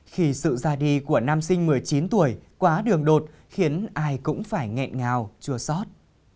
khi sự ra đi của nam sinh một mươi chín tuổi quá đường đột khiến ai cũng phải nghẹn ngào chua sót